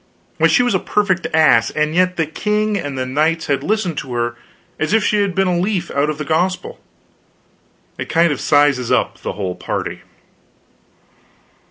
Why, she was a perfect ass; and yet the king and his knights had listened to her as if she had been a leaf out of the gospel. It kind of sizes up the whole party.